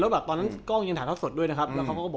แล้วตอนนั้นกล้องยังถ่ายท่าสดด้วยนะครับ